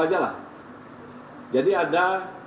aja lah jadi ada